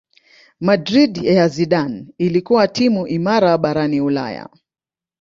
Madrid ya Zidane ilikuwa timu imara barani Ulaya